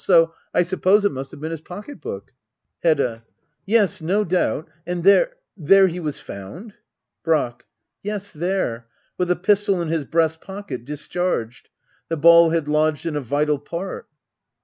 So I suppose it must have been his pocket book. Hedda. Yes, no doubt. And there — ^there he was found ? Brack. Yes, there. With a pistol in his breast pocket, discharged. The ball had lodged in a vital part.